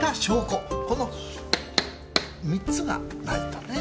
この三つがないとね。